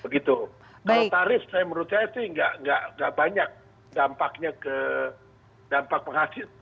kalau tarif menurut saya tidak banyak dampak penghasilan